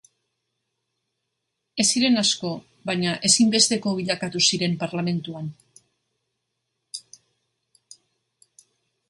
Ez ziren asko baina ezinbesteko bilakatu zen Parlamentuan.